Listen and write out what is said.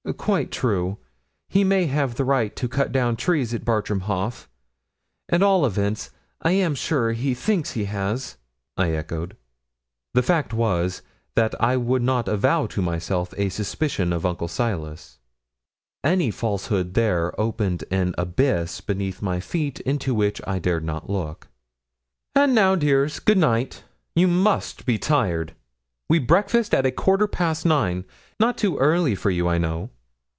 'Quite true. He may have the right to cut down trees at Bartram Haugh. At all events, I am sure he thinks he has,' I echoed. The fact was, that I would not avow to myself a suspicion of Uncle Silas. Any falsehood there opened an abyss beneath my feet into which I dared not look. 'And now, dear girls, good night. You must be tired. We breakfast at a quarter past nine not too early for you, I know.'